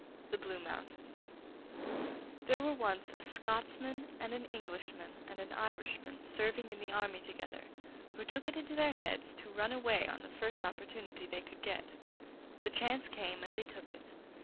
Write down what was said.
THE BLUE MOUNTAINS There were once a Scotsman and an Englishman and an Irishman serving in the army together, who took it into their heads to run away on the first opportunity they could get. The chance came and they took it.